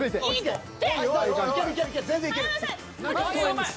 うまい！